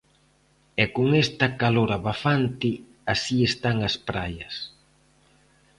E con esta calor abafante, así están as praias.